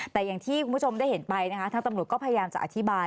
แต่อย่างที่คุณผู้ชมได้เห็นไปนะคะทางตำรวจก็พยายามจะอธิบาย